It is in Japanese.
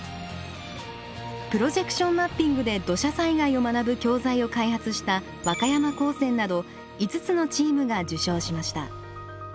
プロジェクションマッピングで土砂災害を学ぶ教材を開発した和歌山高専など５つのチームが受賞しました。